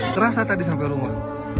terasa tadi sampai rumah